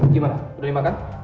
gimana udah dimakan